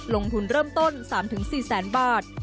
ลงทุนเริ่มต้น๓๔แสนบาท